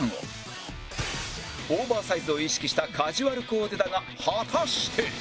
オーバーサイズを意識したカジュアルコーデだが果たして